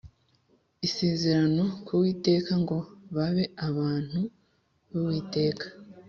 isezerano ku Uwiteka ngo babe abantu b Uwiteka